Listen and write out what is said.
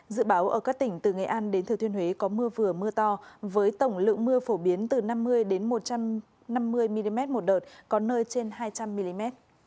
dự báo ở các tỉnh từ nghệ an đến thừa thiên huế có mưa vừa mưa to với tổng lượng mưa phổ biến từ năm mươi một trăm năm mươi mm một đợt có nơi trên hai trăm linh mm